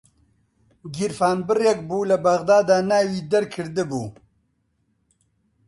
گیرفانبڕێک بوو لە بەغدادا ناوی دەرکردبوو